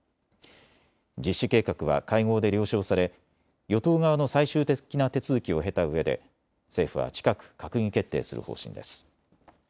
実施計画は会合で了承され与党側の最終的な手続きを経たうえで政府は近く閣議決定する方針です。